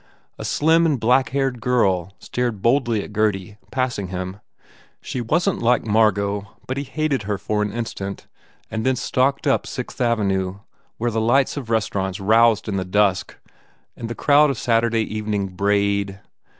A slim and black haired girl stared boldly at Gurdy, passing him. She wasn t like Margot but he hated her for an instant and then stalked up Sixth Avenue where the lights of restaurants roused in the dusk and the crowd of Saturday evening brayed.